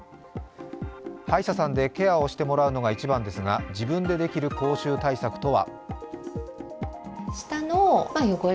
歯医者さんでケアをしてもらうのが一番ですが自分でできる口臭対策とは。